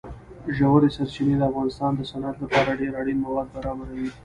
ژورې سرچینې د افغانستان د صنعت لپاره ډېر اړین مواد برابروي.